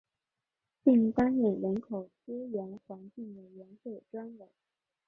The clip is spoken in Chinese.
并担任人口资源环境委员会专委。